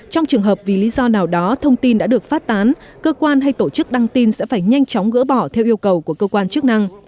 trong trường hợp vì lý do nào đó thông tin đã được phát tán cơ quan hay tổ chức đăng tin sẽ phải nhanh chóng gỡ bỏ theo yêu cầu của cơ quan chức năng